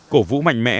cổ vũ mạnh mẽ